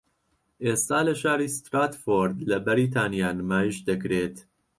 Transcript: ئێستا لە شاری ستراتفۆرد لە بەریتانیا نمایشدەکرێت